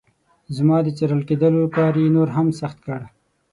زما د څارل کېدلو کار یې نور هم سخت کړ.